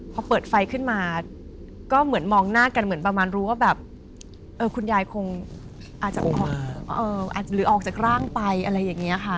พอเปิดไฟขึ้นมาก็เหมือนมองหน้ากันเหมือนประมาณรู้ว่าแบบคุณยายคงอาจจะหรือออกจากร่างไปอะไรอย่างนี้ค่ะ